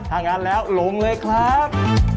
ถ้างั้นแล้วหลงเลยครับ